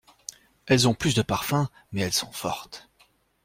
Elles ont plus de parfum, mais elles sont fortes.